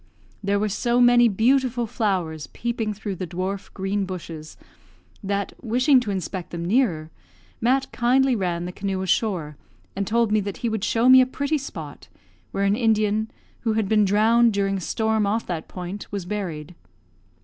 There were so many beautiful flowers peeping through the dwarf, green bushes, that, wishing to inspect them nearer, Mat kindly ran the canoe ashore, and told me that he would show me a pretty spot, where an Indian, who had been drowned during a storm off that point, was buried.